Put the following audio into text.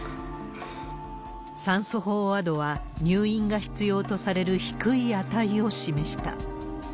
酸素飽和度は、入院が必要とされる低い値を示した。